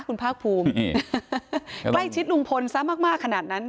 คุณภาคภูมิใกล้ชิดลุงพลซะมากขนาดนั้น